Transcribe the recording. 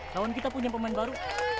tahun kita punya pemain baru